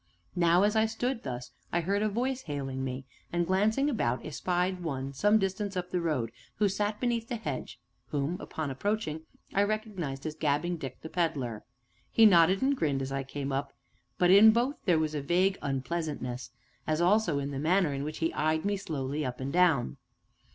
Now, as I stood thus, I heard a voice hailing me, and, glancing about, espied one, some distance up the road, who sat beneath the hedge, whom, upon approaching, I recognized as Gabbing Dick, the Pedler. He nodded and grinned as I came up, but in both there was a vague unpleasantness, as also in the manner in which he eyed me slowly up and down.